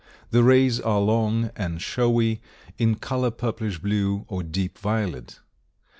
The rays are long and showy, in color purplish blue or deep violet.